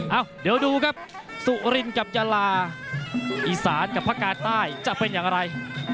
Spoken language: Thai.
เอ้าเดี๋ยวดูครับสุรินกับยาลาอีสานกับภาคการใต้จะเป็นอย่างไร